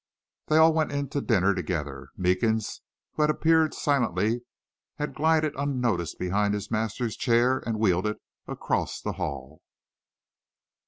They all went in to dinner together. Meekins, who had appeared silently, had glided unnoticed behind his master's chair and wheeled it across the hall.